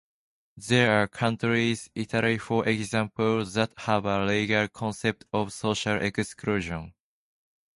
There are countries, Italy for example, that have a legal concept of "social exclusion".